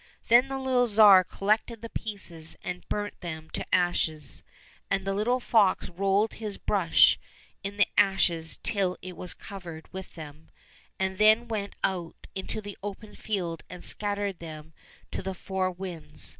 Then the little Tsar collected the pieces and burnt them to ashes, and the little fox rolled his brush in the ashes till it was covered with them, and then went out into the open field and scattered them to the four winds.